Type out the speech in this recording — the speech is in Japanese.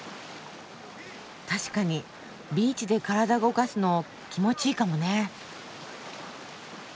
確かにビーチで体動かすの気持ちいいかもね。